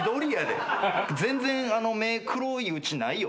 全然目黒いうちないよ。